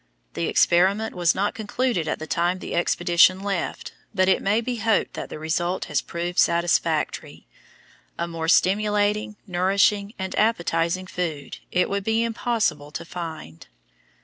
The experiment was not concluded at the time the expedition left, but it may be hoped that the result has proved satisfactory. A more stimulating, nourishing, and appetizing food, it would be impossible to find.